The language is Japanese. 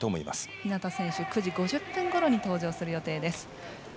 日向選手９時５０分ごろに登場する予定です。